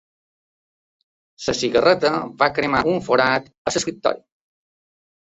La cigarreta va cremar un forat a l'escriptori.